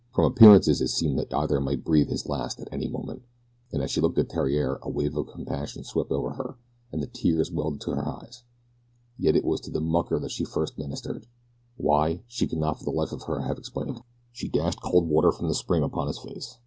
From appearances it seemed that either might breathe his last at any moment, and as she looked at Theriere a wave of compassion swept over her, and the tears welled to her eyes; yet it was to the mucker that she first ministered why, she could not for the life of her have explained. She dashed cold water from the spring upon his face.